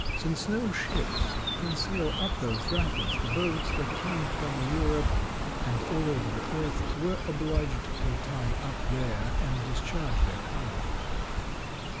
Since no ships can sail up those rapids the boats that came from Europe and all over the earth were obliged to tie up there and discharge their cargoes.